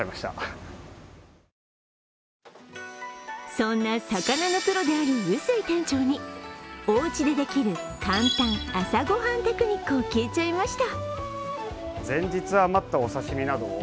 そんな魚のプロである臼井店長におうちでできる簡単朝ごはんテクニックを聞いちゃいました。